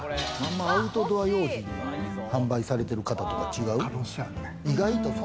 アウトドア用品とか販売されてる方とか違う。